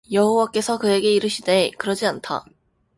여호와께서 그에게 이르시되 그렇지 않다